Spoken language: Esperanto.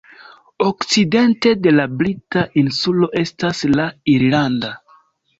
Okcidente de la brita insulo estas la irlanda.